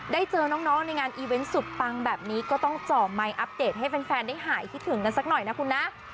ได้เจอน้องในงานอีเวนต์สุดปังแบบนี้ก็ต้องเจาะไมคอัปเดตให้แฟนได้หายคิดถึงกันสักหน่อยนะคุณนะ